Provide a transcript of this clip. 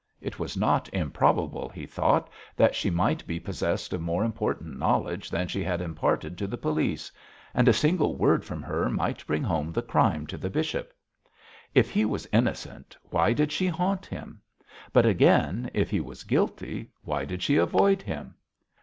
It was not improbable, he thought, that she might be possessed of more important knowledge than she had imparted to the police, and a single word from her might bring home the crime to the bishop. If he was innocent, why did she haunt him? But again, if he was guilty, why did she avoid him?